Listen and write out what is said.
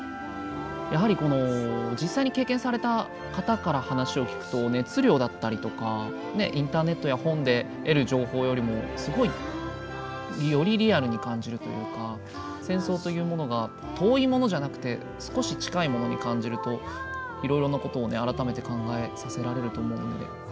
やはり実際に経験された方から話を聞くと熱量だったりとかインターネットや本で得る情報よりもすごいよりリアルに感じるというか戦争というものが遠いものじゃなくて少し近いものに感じるといろいろなことを改めて考えさせられると思うので。